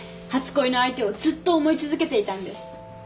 初恋の相手をずっと思い続けていたんです。